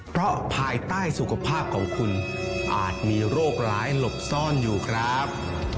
เพราะภายใต้สุขภาพของคุณอาจมีโรคร้ายหลบซ่อนอยู่ครับ